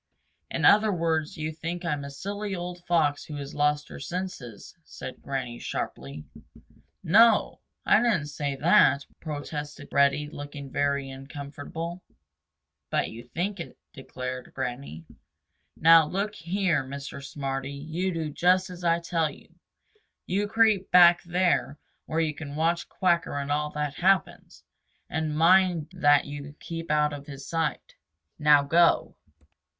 "In other words you think I'm a silly old Fox who has lost her senses," said Granny sharply. "No o. I didn't say that," protested Reddy, looking very uncomfortable. "But you think it," declared Granny. "Now look here, Mr. Smarty, you do just as I tell you. You creep back there where you can watch Quacker and all that happens, and mind that you keep out of his sight. Now go."